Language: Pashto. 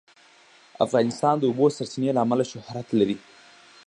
افغانستان د د اوبو سرچینې له امله شهرت لري.